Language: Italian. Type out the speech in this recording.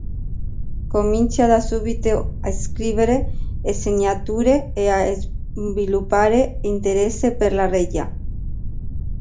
Comincia da subito a scrivere sceneggiature e a sviluppare interesse per la regia.